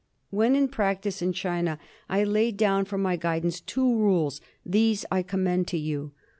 When in practice in China I laid down for my guidance two rules ; these I commend to you.